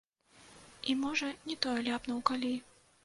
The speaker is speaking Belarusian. І, можа, не тое ляпнуў калі.